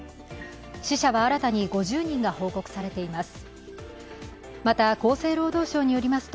死者は新たに５０人が報告されています。